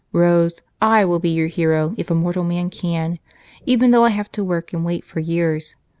Rose, I will be your hero if a mortal man can, even though I have to work and wait for years.